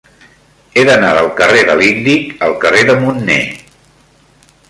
He d'anar del carrer de l'Índic al carrer de Munner.